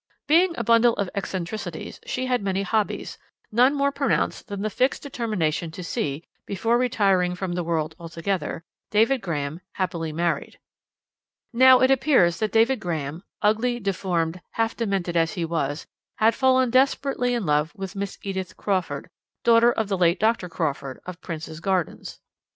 Being a bundle of eccentricities, she had many hobbies, none more pronounced than the fixed determination to see before retiring from the world altogether David Graham happily married. "Now, it appears that David Graham, ugly, deformed, half demented as he was, had fallen desperately in love with Miss Edith Crawford, daughter of the late Dr. Crawford, of Prince's Gardens.